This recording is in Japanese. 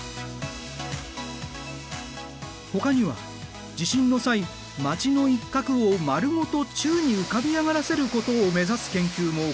ほかには地震の際街の一角を丸ごと宙に浮かび上がらせることを目指す研究も行われている。